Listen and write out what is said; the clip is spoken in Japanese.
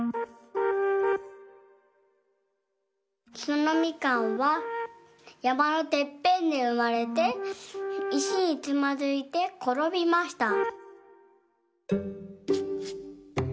そのみかんはやまのてっぺんでうまれていしにつまずいてころびました。